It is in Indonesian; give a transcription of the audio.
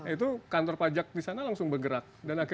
itu kantor pajak disana langsung bergerak